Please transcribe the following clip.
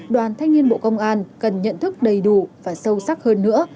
đoàn thanh niên bộ công an cần nhận thức đầy đủ và sâu sắc hơn nữa